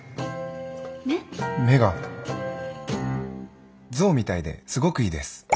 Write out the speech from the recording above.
目が象みたいですごくいいです。